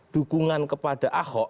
dukungan kepada aho